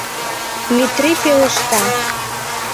— Метри пелешта.